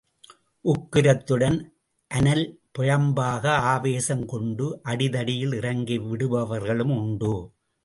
உக்கிரத்துடன் அனல் பிழம்பாக ஆவேசம் கொண்டு அடிதடியில் இறங்கி விடுபவர்களும் உண்டு.